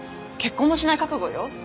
結婚もしない覚悟よ。